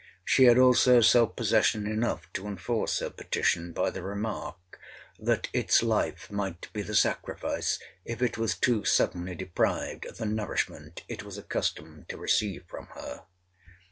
She had also self possession enough to enforce her petition by the remark, that its life might be the sacrifice if it was too suddenly deprived of the nourishment it was accustomed to receive from her.